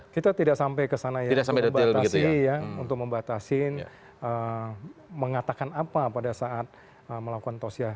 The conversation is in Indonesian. kita tidak sampai ke sana ya untuk membatasi ya untuk membatasi mengatakan apa pada saat melakukan tosyah